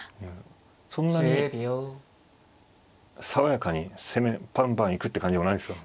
そんなに爽やかに攻めバンバン行くって感じでもないんですよ。